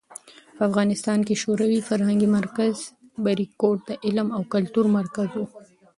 په افغانستان کې شوروي فرهنګي مرکز "بریکوټ" د علم او کلتور مرکز و.